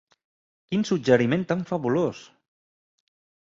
Quin suggeriment tan fabulós!